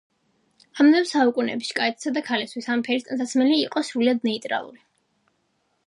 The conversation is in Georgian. ამავე საუკუნეებში კაცისა და ქალისათვის ამ ფერის ტანსაცმელი იყო სრულიად ნეიტრალური.